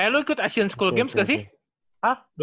eh lu ikut asian school games gak sih hah dua ribu lima belas